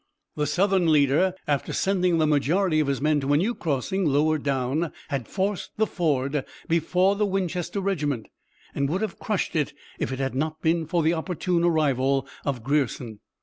The Southern leader, after sending the majority of his men to a new crossing lower down had forced the ford before the Winchester regiment, and would have crushed it if it had not been for the opportune arrival of Grierson.